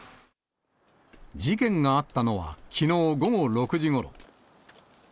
事件があったのは、きのう午後６時ごろ。